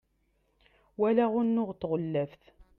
walaɣ unuɣ n tɣellaft